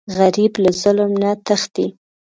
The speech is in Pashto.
غریب له ظلم نه تښتي